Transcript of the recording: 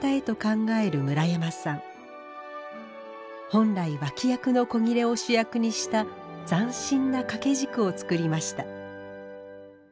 本来脇役の古裂を主役にした斬新な掛け軸を作りました